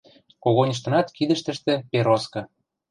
Когыньыштынат кидӹштӹштӹ пероскы.